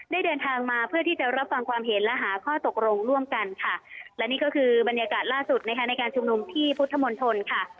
เดินทางมาเพื่อที่จะรับฟังความเห็นและหาข้อตกลงร่วมกันค่ะและนี่ก็คือบรรยากาศล่าสุดนะคะในการชุมนุมที่พุทธมณฑลค่ะ